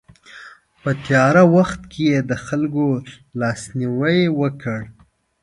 په تیاره وخت کې یې د خلکو لاسنیوی وکړ.